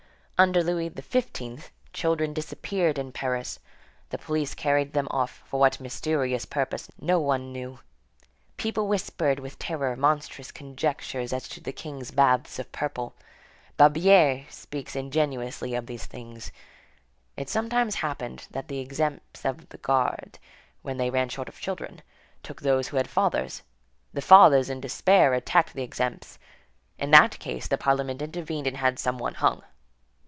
Under Louis XV. children disappeared in Paris; the police carried them off, for what mysterious purpose no one knew. People whispered with terror monstrous conjectures as to the king's baths of purple. Barbier speaks ingenuously of these things. It sometimes happened that the exempts of the guard, when they ran short of children, took those who had fathers. The fathers, in despair, attacked the exempts. In that case, the parliament intervened and had some one hung.